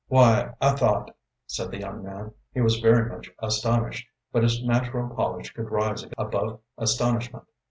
"Why, I thought " said the young man. He was very much astonished, but his natural polish could rise above astonishment.